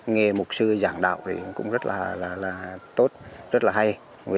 nghe một sư giảng đạo thì cũng rất là tốt rất là hay